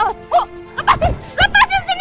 aku gak akan